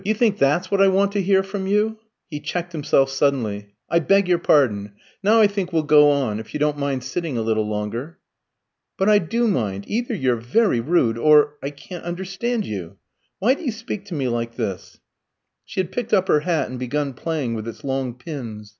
Do you think that's what I want to hear from you?" He checked himself suddenly. "I beg your pardon. Now I think we'll go on, if you don't mind sitting a little longer." "But I do mind. Either you're very rude, or I can't understand you. Why do you speak to me like this?" She had picked up her hat and begun playing with its long pins.